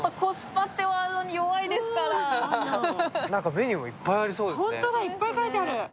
メニューもいっぱいありそうですね。